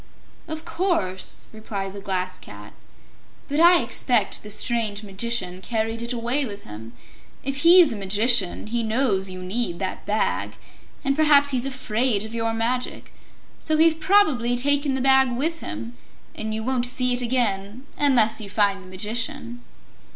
"Of course," replied the Glass Cat. "But I expect the strange Magician carried it away with him. If he's a magician, he knows you need that Bag, and perhaps he's afraid of your magic. So he's probably taken the Bag with him, and you won't see it again unless you find the Magician."